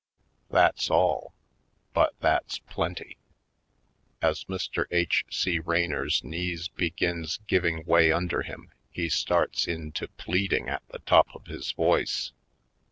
That's all, but that's plenty! As Mr. H. C. Raynor's knees begins giving way under him he starts in to pleading at the top of his voice.